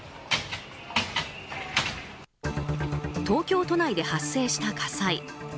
東京都内で発生した火災。